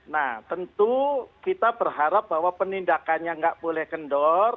nah tentu kita berharap bahwa penindakannya nggak boleh kendor